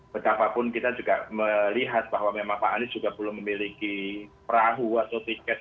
betapapun kita juga melihat bahwa memang pak anies juga belum memiliki perahu atau tiket